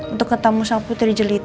untuk ketemu sama putri jelit